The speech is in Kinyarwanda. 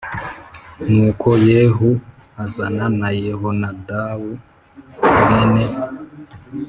Nuko yehu azana na yehonadabu mwene